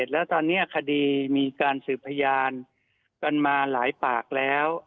แล้วตอนนี้คดีมีการสืบพยานกันมาหลายปากแล้ว